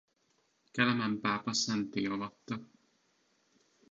Kelemen pápa szentté avatta.